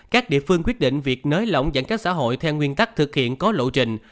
các địa phương quyết định việc nới lỏng giãn cách xã hội theo nguyên tắc thực hiện có lộ trình